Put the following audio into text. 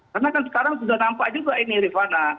karena kan sekarang sudah nampak juga ini rifana